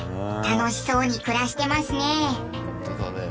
楽しそうに暮らしてますね。